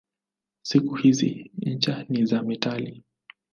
Siku hizi ncha ni za metali.